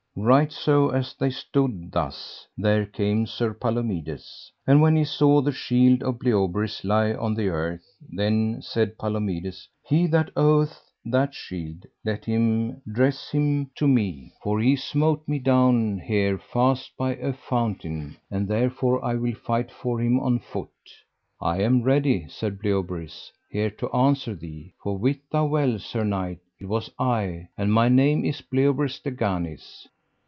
Right so as they stood thus there came Sir Palomides, and when he saw the shield of Bleoberis lie on the earth, then said Palomides: He that oweth that shield let him dress him to me, for he smote me down here fast by at a fountain, and therefore I will fight for him on foot. I am ready, said Bleoberis, here to answer thee, for wit thou well, sir knight, it was I, and my name is Bleoberis de Ganis.